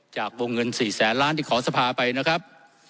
จากวงเงิน๔แสนล้านที่ขอสภาไปนะครับ